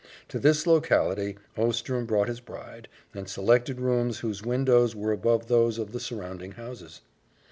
To this locality, Ostrom brought his bride, and selected rooms whose windows were above those of the surrounding houses.